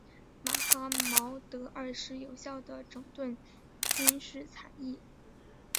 马哈茂德二世有效地整顿军事采邑。